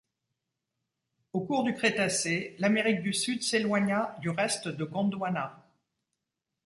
Au cours du Crétacé, l'Amérique du Sud s'éloigna du reste de Gondwana.